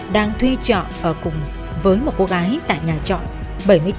đang thuê trọ ở cùng với một cô gái tại nhà trọ bảy mươi tám phường an hòa thị xã sà đét